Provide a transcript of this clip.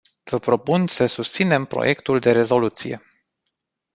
Vă propun să susținem proiectul de rezoluție.